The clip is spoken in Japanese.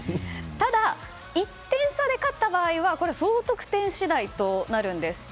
ただ、１点差で勝った場合は総得点次第となるんです。